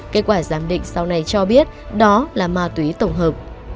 kết quả giám định sau này cho biết đó là ma túy tổng hợp